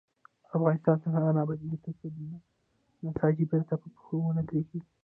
افغانستان تر هغو نه ابادیږي، ترڅو نساجي بیرته په پښو ونه دریږي.